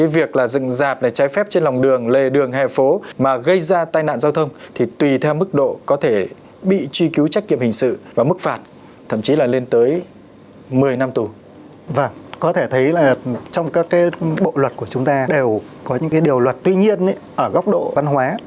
vâng có thể thấy là trong các cái bộ luật của chúng ta đều có những cái điều luật tuy nhiên ấy ở góc độ văn hóa